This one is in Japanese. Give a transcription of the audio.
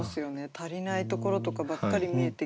足りないところとかばっかり見えてきちゃう。